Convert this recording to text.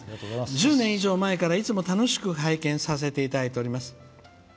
１０年以上前から、いつも楽しく拝見させていただいております。